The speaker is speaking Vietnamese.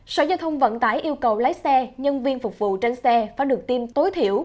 sở giao thông vận tải yêu cầu lái xe nhân viên phục vụ trên xe phải được tiêm tối thiểu